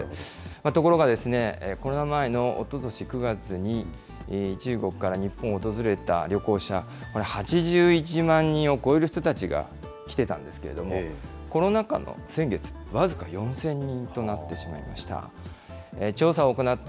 ところがコロナ前のおととし９月に、中国から日本を訪れた旅行者、８１万人を超える人たちが来てたんですけれども、コロナ禍の先月、僅か４０００人となってしまいました。